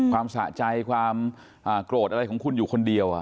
ความสะใจความโกรธอะไรอยู่คนเดียว